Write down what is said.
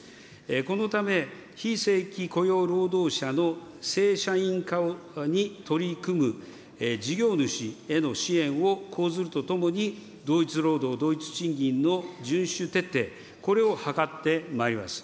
このため、非正規雇用労働者の正社員化に取り組む事業主への支援を講ずるとともに、同一労働同一賃金の順守徹底、これを図ってまいります。